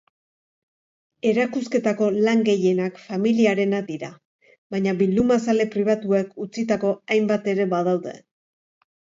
Erakusketako lan gehienak familiarenak dira, baina bildumazale pribatuek utzitako hainbat ere badaude.